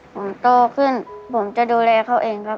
ผมโตขึ้นผมจะดูแลเขาเองครับ